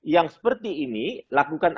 yang seperti ini lakukan